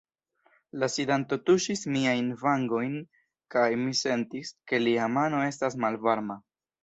La sidanto tuŝis miajn vangojn, kaj mi sentis, ke lia mano estas malvarma.